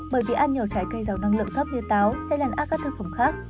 bởi vì ăn nhiều trái cây giàu năng lượng thấp như táo sẽ lần ác các thực phẩm khác